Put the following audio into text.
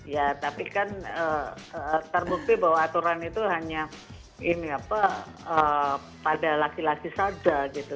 ya tapi kan terbukti bahwa aturan itu hanya ini apa pada laki laki saja gitu